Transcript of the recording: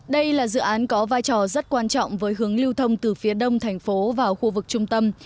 đây là dự án có vai trò rất quan trọng với hướng lưu thông từ phía đông thành phố vào khu vực trung tâm